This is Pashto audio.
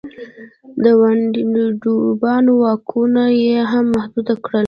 د ویاندویانو واکونه یې هم محدود کړل.